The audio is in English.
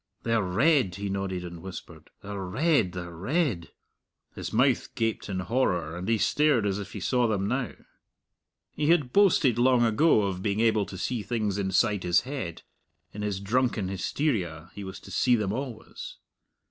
They're red," he nodded and whispered "they're red they're red." His mouth gaped in horror, and he stared as if he saw them now. He had boasted long ago of being able to see things inside his head; in his drunken hysteria he was to see them always.